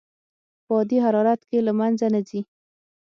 په عادي حرارت کې له منځه نه ځي.